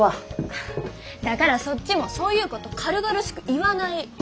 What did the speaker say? だからそっちもそういうこと軽々しく言わない。